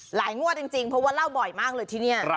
งวดจริงเพราะว่าเล่าบ่อยมากเลยที่นี่